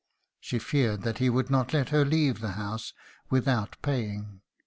She feared that he would not let her leave the house without paying.